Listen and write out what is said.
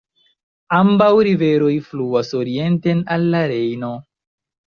Ambaŭ riveroj fluas orienten al la Rejno.